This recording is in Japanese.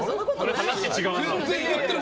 話違うな。